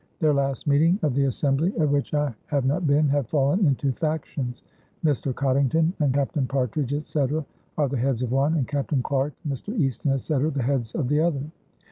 Their last meeting [of the assembly] at which I have not been, have fallen into factions. Mr. Coddington and Captain Partridge, etc., are the heads of one, and Captain Clarke, Mr. Easton, etc., the heads of the other."